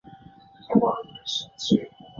山北町为新舄县最北端面向日本海的一町。